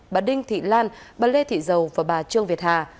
bà đinh thị lan bà lê thị dầu và bà trương việt hà